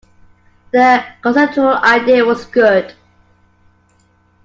The conceptual idea was good.